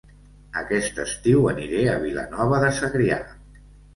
Aquest estiu aniré a Vilanova de Segrià